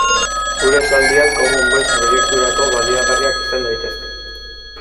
Gure esaldiak Common Voice proiekturako baliagarriak izan daitezke.